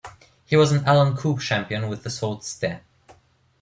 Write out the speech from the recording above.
He was an Allan Cup champion with the Sault Ste.